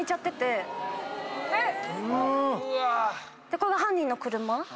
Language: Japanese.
これが犯人の車。